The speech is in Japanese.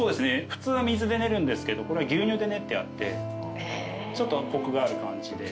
普通は水で練るんですけどこれは牛乳で練ってあってちょっとコクがある感じで。